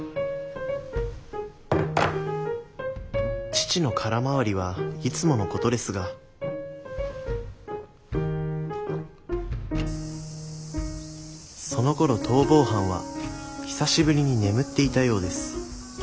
父の空回りはいつものことですがそのころ逃亡犯は久しぶりに眠っていたようです。